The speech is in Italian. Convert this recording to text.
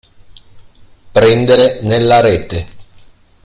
Prendere nella rete.